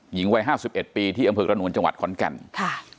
หญิงวัยห้าสิบเอ็ดปีที่อำเภอกระนวลจังหวัดขอนแก่นค่ะ